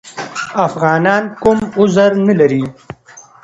افغانان کوم عذر نه لري.